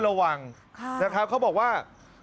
ระวังเขาบอกว่า